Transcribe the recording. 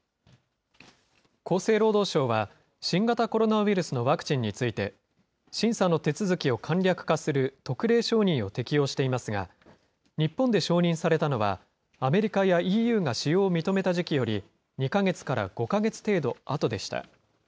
厚生労働省は新型コロナウイルスのワクチンについて、審査の手続きを簡略化する特例承認を適用していますが、日本で承認されたのは、アメリカやＥＵが使用を認めた時期より、２か月から５か月程度あとでした。